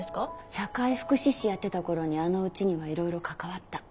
社会福祉士やってた頃にあのうちにはいろいろ関わった。